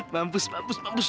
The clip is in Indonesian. mampus mampus mampus